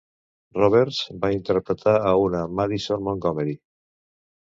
Roberts va interpretar a una a Madison Montgomery.